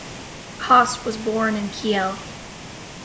Hass was born in Kiel.